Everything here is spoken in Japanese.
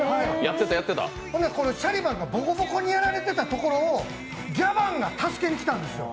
ほんでシャリバンがぼこぼこにやられていたところをギャバンが助けに来たんですよ。